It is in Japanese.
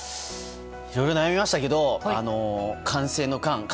いろいろ悩みましたけど歓声の「歓」